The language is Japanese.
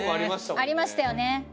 ありましたよね。